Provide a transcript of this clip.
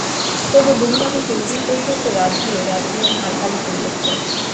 তবু বুড়ি মাকে শেষদিন পর্যন্ত রাঁধিয়ে রাঁধিয়ে হাড় কালি করিয়েছে।